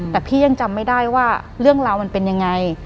แต่พี่ยังจำไม่ได้ว่าเรื่องราวมันเป็นยังไง